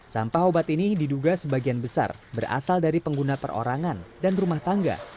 sampah obat ini diduga sebagian besar berasal dari pengguna perorangan dan rumah tangga